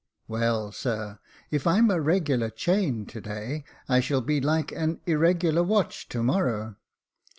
" Well, sir, if I'm a regular chain to day, I shall be like an irregular watch to morrow."